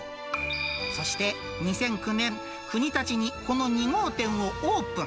そして、２００９年、国立にこの２号店をオープン。